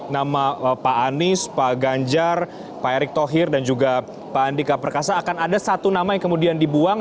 nama pak anies pak ganjar pak erick thohir dan juga pak andika perkasa akan ada satu nama yang kemudian dibuang